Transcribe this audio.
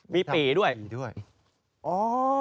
มีปีด้วยโอ้